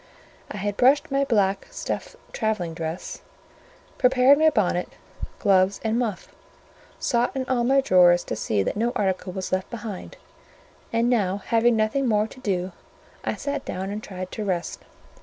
I had brushed my black stuff travelling dress, prepared my bonnet, gloves, and muff; sought in all my drawers to see that no article was left behind; and now having nothing more to do, I sat down and tried to rest.